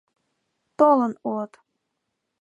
Толын улыт